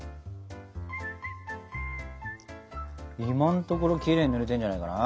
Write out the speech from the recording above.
今のところきれいに塗れてるんじゃないかな？